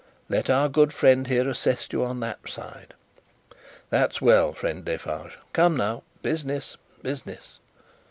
Let our good friend here, assist you on that side. That's well, friend Defarge. Come, now. Business, business!"